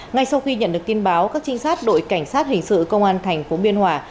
ngay sau khi nhận được tin báo các trinh sát đội cảnh sát hình sự công an thành phố biên hòa